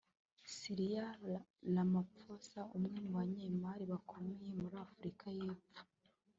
Cyril Ramaphosa umwe mu banyemari bakomeye muri Afurika y’Epfo